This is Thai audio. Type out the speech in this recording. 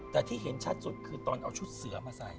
แต่ที่เห็นชัดสุดคือตอนเอาชุดเสือมาใส่